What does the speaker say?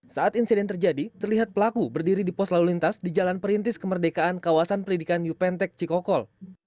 saat insiden terjadi terlihat pelaku berdiri di pos lalu lintas di jalan perintis kemerdekaan kawasan pendidikan yupentek cikokol